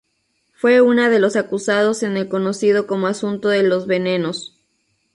Fue una de los acusados en el conocido como asunto de los venenos.